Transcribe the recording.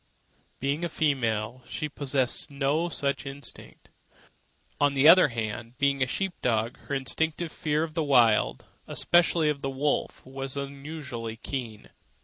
Being a female, she possessed no such instinct. On the other hand, being a sheep dog, her instinctive fear of the Wild, and especially of the wolf, was unusually keen.